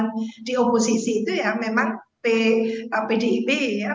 yang sudah berpengalaman di oposisi itu ya memang pdip ya